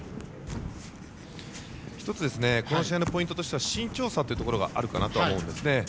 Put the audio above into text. １つ、この試合のポイントとしては身長差ということがあると思うんですね。